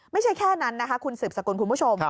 ไม่ใช่แค่นั้นนะคะคุณสืบสกุลคุณผู้ชม